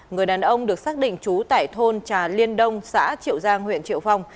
người đàn ông được xác định chú tài thôn hà xã xã triệu giang huyện triệu phong